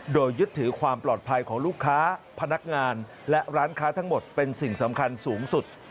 โดยยึดถือความปลอดภัยของลูกค้าพนักงานและร้านค้าทั้งหมดเป็นสิ่งสำคัญสูงสุด